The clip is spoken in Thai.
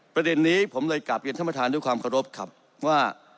ประเด็นนี้ผมเลยกลับเรียนท่านประธานด้วยความเคารพครับว่า